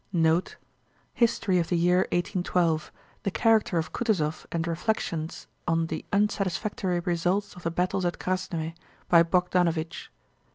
History of the year 1812. The character of Kutúzov and reflections on the unsatisfactory results of the battles at Krásnoe, by Bogdánovich.